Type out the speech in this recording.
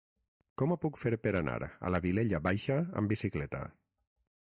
Com ho puc fer per anar a la Vilella Baixa amb bicicleta?